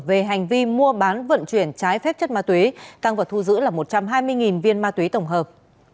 về hành vi mua bán vận chuyển trái phép chất ma túy tăng vào thu giữ là một trăm hai mươi viên ma túy tổng hợp